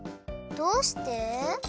どうして？